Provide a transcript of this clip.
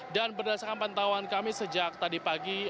dan berdasarkan pengetahuan kami sejak tadi pagi